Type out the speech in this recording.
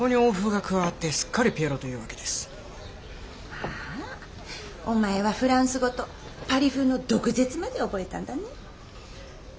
まあお前はフランス語とパリ風の毒舌まで覚えたんだね。